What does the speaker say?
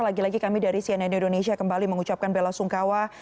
lagi lagi kami dari cnn indonesia kembali mengucapkan bela sungkawa